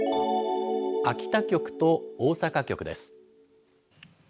秋田局と大阪局です。